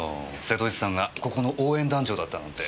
瀬戸内さんがここの応援団長だったなんて。